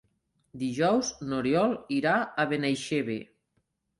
Dijous n'Oriol irà a Benaixeve.